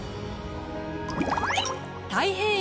大変。